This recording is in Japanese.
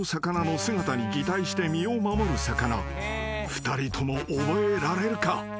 ［２人とも覚えられるか？］